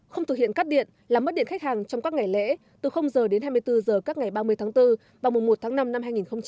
không thực hiện cắt điện làm mất điện khách hàng trong các ngày lễ từ h đến hai mươi bốn h các ngày ba mươi tháng bốn và mùa một tháng năm năm hai nghìn hai mươi bốn